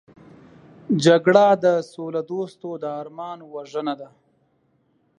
جګړه د سولهدوستو د ارمان وژنه ده